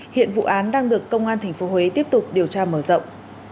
hiện vụ án đang được công an tp huế tiếp tục điều tra mở rộng